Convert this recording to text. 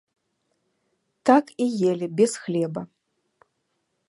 Так і елі без хлеба.